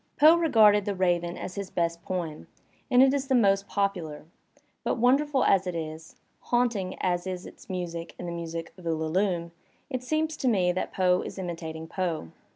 Poe regarded "The Raven" as his best poem, and it is the most popular, but wonderful as it is, haunting as is its music and the music of "Ulalume," it seems to me that Poe is imitating Poe.